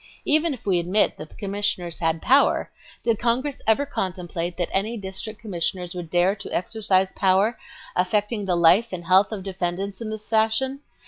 "Even if we admit that the Commissioners had power, did Congress ever contemplate that any District Commissioners would dare to exercise power affecting the life and health of defendants in this fashion?